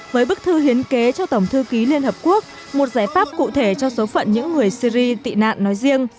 với bức thư hiến kế cho tổng thư ký liên hợp quốc một giải pháp cụ thể cho số phận những người syri tị nạn nói riêng